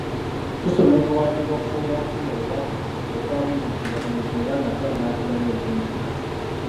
Tusoma ebiwandiiko okusobola okufuna obubaka obuba buli mu kiwandiiko era nga twagala tulabe empunzika.